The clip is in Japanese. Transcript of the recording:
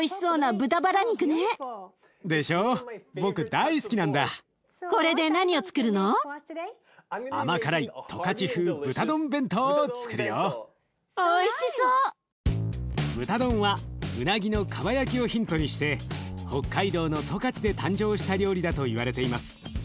豚丼はうなぎのかば焼きをヒントにして北海道の十勝で誕生した料理だといわれています。